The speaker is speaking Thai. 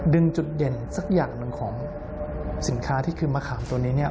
ดึงจุดเด่นสักอย่างหนึ่งของสินค้าที่คือมะขามตัวนี้เนี่ย